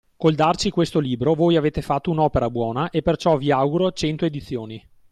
Col darci questo libro voi avete fatto un’opera buona e perciò vi auguro cento edizioni.